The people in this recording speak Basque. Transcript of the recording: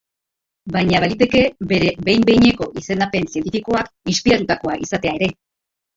Baina baliteke bere behin-behineko izendapen zientifikoak inspiratutakoa izatea ere.